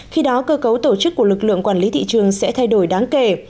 khi đó cơ cấu tổ chức của lực lượng quản lý thị trường sẽ thay đổi đáng kể